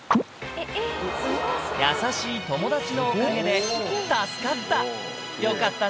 優しい友達のおかげで、助かった。